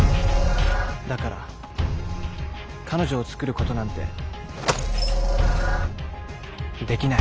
だから彼女を作ることなんてできない。